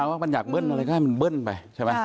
ว่ามันอยากเบิ้ลอะไรก็ให้มันเบิ้ลไปใช่ไหม